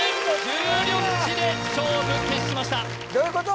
重力値で勝負決しましたどういうこと？